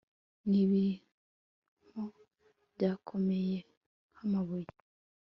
n'ibinonko byakomeye nk'amabuye